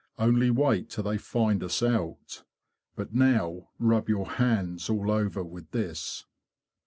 Only wait till they find us out! But now rub your hands all over with this."